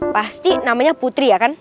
pasti namanya putri ya kan